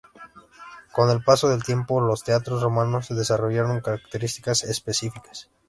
Con el paso del tiempo, los teatros romanos desarrollaron características específicas.